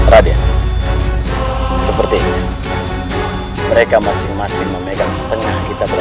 radia sepertinya mereka masing masing memegang setengah kita berdua